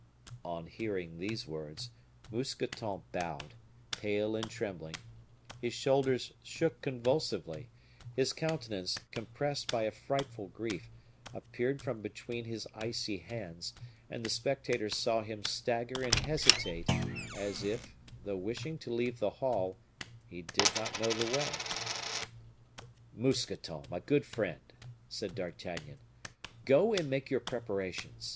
On hearing these words, Mousqueton bowed, pale and trembling; his shoulders shook convulsively; his countenance, compressed by a frightful grief, appeared from between his icy hands, and the spectators saw him stagger and hesitate, as if, though wishing to leave the hall, he did not know the way. "Mousqueton, my good friend," said D'Artagnan, "go and make your preparations.